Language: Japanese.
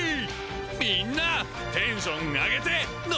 みんなテンションアゲてノ